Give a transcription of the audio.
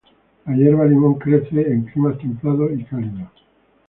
La hierba limón crece en climas templados y cálidos.